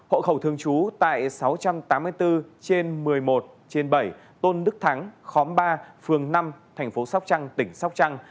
hộ khẩu thường trú tại sáu trăm tám mươi bốn trên một mươi một trên bảy tôn đức thắng khóm ba phường năm thành phố sóc trăng tỉnh sóc trăng